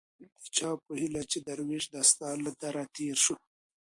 د چا په هيله چي دروېش دا ستا له دره تېر سو